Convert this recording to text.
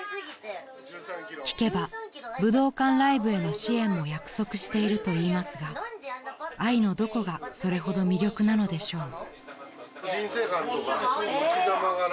［聞けば武道館ライブへの支援も約束しているといいますがあいのどこがそれほど魅力なのでしょう？］